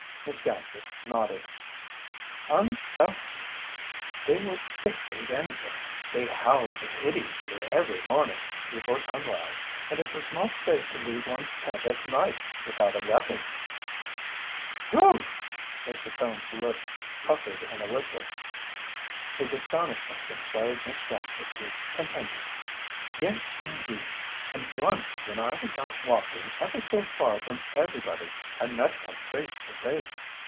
Miss Gaskett nodded. "Undoubteely. They were thick as anything. They howled hideously every morning before sunrise, and it was not safe to leave one's tent at night without a weapon." "Whew!" Mr. Cone's lips puckered in a whistle. His astonishment inspired Miss Gaskett to continue: "Yes, indeed! And once when I was out walking ever so far from everybody I met one face to face.